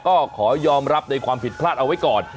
ก็ขอยอมรับในความผิดพลาดเอาไว้ก่อน